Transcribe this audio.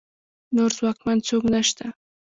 نور ځواکمن څوک نشته